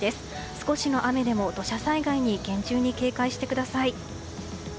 少しの雨でも土砂災害に厳重に警戒してください。